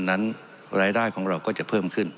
นั้นรายได้ของเราก็จะเพิ่มขึ้น